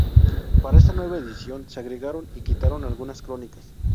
Para esta nueva edición se agregaron y quitaron algunas crónicas.